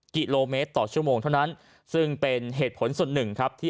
กิโลเมตรต่อชั่วโมงเท่านั้นซึ่งเป็นเหตุผลส่วนหนึ่งครับที่